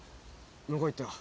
向こう行ってろ。